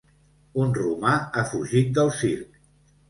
Un romà ha fugit del circ.